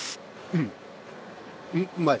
うん！